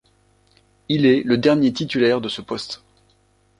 Il est le dernier titulaire de ce poste.